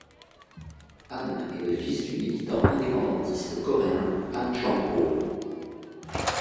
Ahn est le fils du militant indépendantiste coréen Ahn Chang-ho.